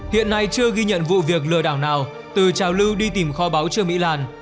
hiện nay chưa ghi nhận vụ việc lừa đảo nào từ trào lưu đi tìm kho báo trương mỹ lan